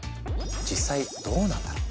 実際どうなんだろう？